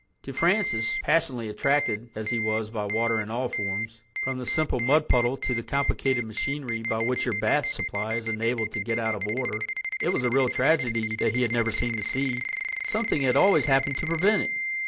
To Francis, passionately attracted as he was by water in all forms, from the simple mud puddle to the complicated machinery by which your bath supply is enabled to get out of order, it was a real tragedy that he had never seen the sea. Something had always happened to prevent it.